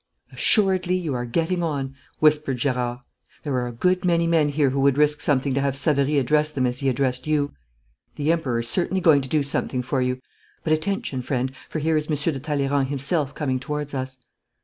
'Assuredly you are getting on,' whispered Gerard. 'There are a good many men here who would risk something to have Savary address them as he addressed you. The Emperor is certainly going to do something for you. But attention, friend, for here is Monsieur de Talleyrand himself coming towards us.'